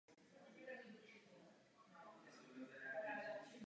Standardní výstup je standardizované rozhraní pro předávání výstupních dat.